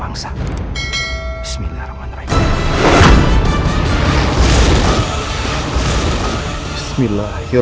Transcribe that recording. jangan sampai dia tercampur